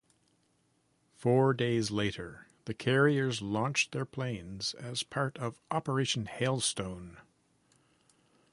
Four days later, the carriers launched their planes as part of Operation Hailstone.